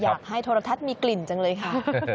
อยากให้โทรทัศน์มีกลิ่นจังเลยค่ะ